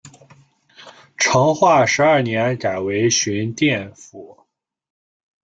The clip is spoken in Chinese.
成化十二年改为寻甸府。